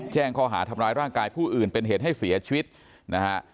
แจ้งข้อหาทำร้ายร่างกายผู้อื่นเป็นเหตุให้เสียชีวิตนะฮะ